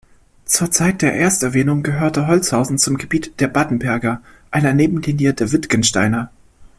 Zur Zeit der Ersterwähnung gehörte Holzhausen zum Gebiet der Battenberger, einer Nebenlinie der Wittgensteiner.